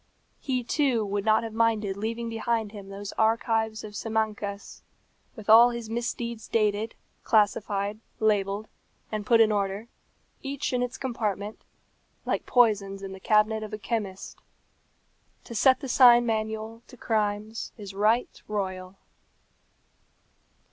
He, too, would not have minded leaving behind him those archives of Simancas, with all his misdeeds dated, classified, labelled, and put in order, each in its compartment, like poisons in the cabinet of a chemist. To set the sign manual to crimes is right royal.